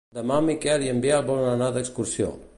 Demà en Miquel i en Biel volen anar d'excursió.